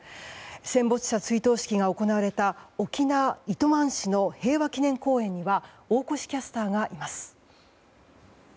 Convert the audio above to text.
戦没者追悼式が行われた沖縄・糸満市の平和祈念公園には大越キャスターがいます。